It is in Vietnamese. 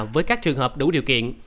với các trường hợp đủ điều kiện